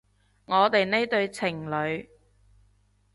我哋呢對情侣